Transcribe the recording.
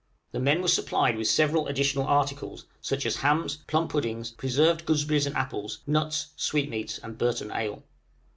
The men were supplied with several additional articles, such as hams, plum puddings, preserved gooseberries and apples, nuts, sweetmeats, and Burton ale.